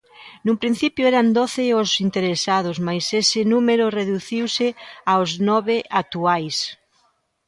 Nun principio eran doce os interesados mais ese número reduciuse aos nove actuais.